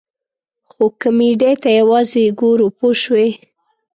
خو کمیډۍ ته یوازې ګورو پوه شوې!.